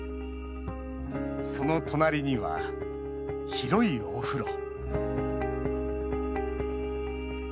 その隣には、広いお風呂。